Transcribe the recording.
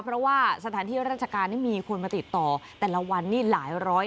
เพราะว่าสถานที่ราชการนี่มีคนมาติดต่อแต่ละวันนี้หลายร้อย